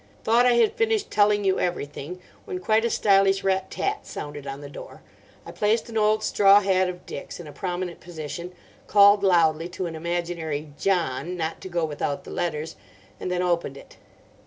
"Thought I had finished telling you everything, when quite a stylish rat tat sounded on the door. I placed an old straw hat of Dick's in a prominent position, called loudly to an imaginary 'John' not to go without the letters, and then opened it.